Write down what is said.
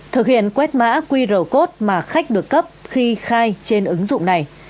thực hiện quét mã quy rầu cốt mà khách được cấp khi khai trên ứng dụng này